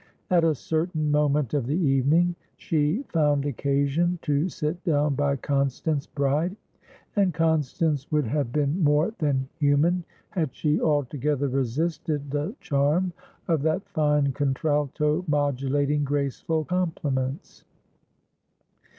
At a certain moment of the evening, she found occasion to sit down by Constance Bride, and Constance would have been more than human had she altogether resisted the charm of that fine contralto modulating graceful compliments.